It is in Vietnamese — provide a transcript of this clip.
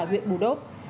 huyện bù đốc